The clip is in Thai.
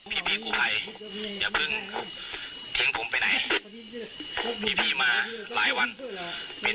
พี่พี่กูไพอย่าเพิ่งเท้งผมไปไหนพี่พี่มาหลายวันเป็น